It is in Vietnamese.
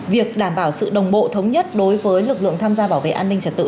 việc đảm bảo sự đồng bộ thống nhất đối với lực lượng tham gia bảo vệ an ninh trật tự